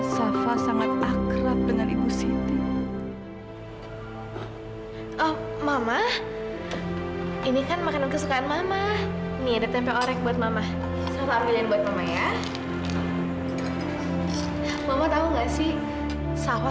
sampai jumpa di video selanjutnya